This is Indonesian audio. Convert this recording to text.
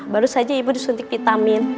baru saja ibu disuntik vitamin